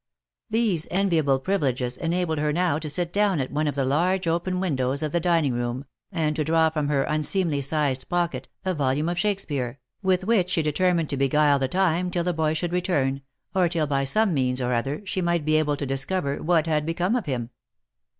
These enviable privileges enabled her now to sit down at one of the large open windows of the dining room, and to draw from her unseemly sized pocket, a volume of Shakspeare, with which she determined to beguile the time till the boy should return, or till by some means or other, she might be able to discover what had become of him.